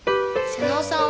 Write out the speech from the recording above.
妹尾さん